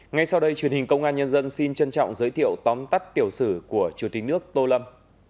ngay sau đây truyền hình công an nhân dân xin trân trọng giới thiệu tóm tắt tiểu sử của chủ tịch nước tô lâm